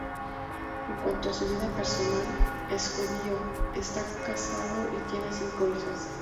En cuanto a su vida personal, es judío, está casado y tiene cinco hijas.